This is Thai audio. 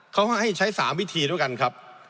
เขาให้ใช้๓วิธีด้วยกันครับ